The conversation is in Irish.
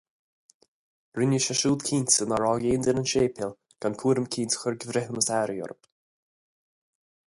Rinne sé siúd cinnte nár fhág aon duine an séipéal gan cúram eicínt a chur de bhreithiúnas aithrí orthu.